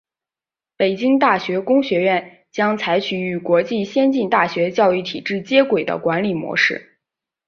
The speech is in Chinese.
北京大学工学院将采取与国际先进大学教育体制接轨的管理模式。